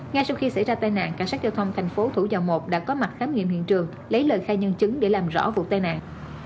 ngay sau khi xảy ra tai nạn cảnh sát giao thông thành phố thủ dầu một đã có mặt khám nghiệm hiện trường lấy lời khai nhân chứng để làm rõ vụ tai nạn